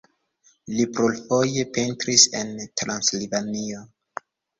Li plurfoje pentris en Transilvanio.